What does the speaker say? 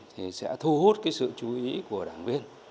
thì sẽ thu hút cái sự chú ý của đảng viên